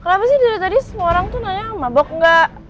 kenapa sih dari tadi semua orang tuh nanya sama bok enggak